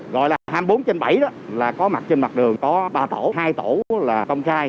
gọi là hai mươi bốn trên bảy đó là có mặt trên mặt đường có ba tổ hai tổ là công khai